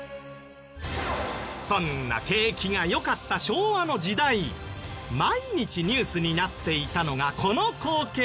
そんな景気が良かった昭和の時代毎日ニュースになっていたのがこの光景。